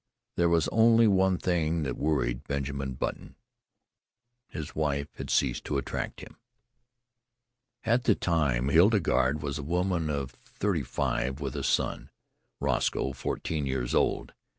There was only one thing that worried Benjamin Button; his wife had ceased to attract him. At that time Hildegarde was a woman of thirty five, with a son, Roscoe, fourteen years old.